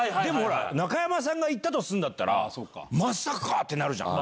中山さんが行ったんだったらまさか⁉ってなるじゃん。